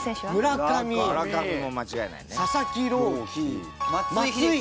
村上も間違いないね。